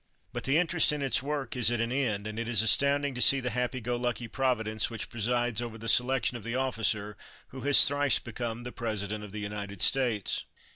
But the interest in its work is at an end, and it is astounding to see the happy go lucky Providence which presides over the selection of the officer who has thrice become the President of the United States.